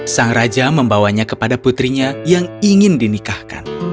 sang raja membawanya kepada putrinya yang ingin dinikahkan